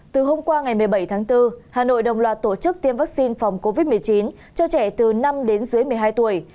từ hôm qua ngày một mươi bảy tháng bốn hà nội đồng loạt tổ chức tiêm vaccine phòng covid một mươi chín cho trẻ từ năm đến dưới một mươi hai tuổi